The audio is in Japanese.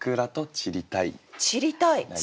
「散りたい」。